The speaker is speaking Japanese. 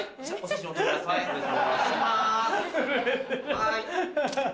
はい。